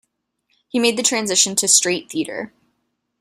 He made the transition to straight theater.